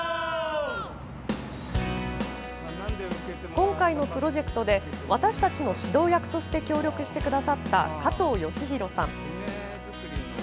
今回のプロジェクトで私たちの指導役として協力してくださった加藤誉士寛さん。